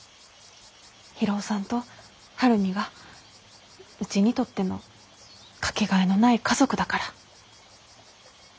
博夫さんと晴海がうちにとっての掛けがえのない家族だから。